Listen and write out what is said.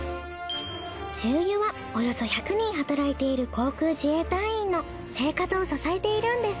重油はおよそ１００人働いている航空自衛隊員の生活を支えているんです。